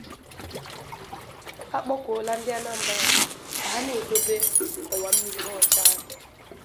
A Kpọkuola Ndị Anambra Ka Ha Na-Edobe Ọwà Mmiri Ha Ọcha